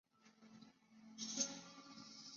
一个很有趣的试验是用锌来还原无色的钒酸铵。